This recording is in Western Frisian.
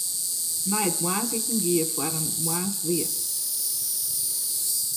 Nei it moarnsiten gie er foar yn in moarnswijing.